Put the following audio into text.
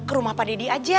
ke rumah pak deddy aja